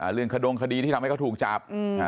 ขดงคดีที่ทำให้เขาถูกจับ